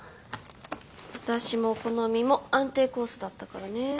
私もこのみも安定コースだったからね。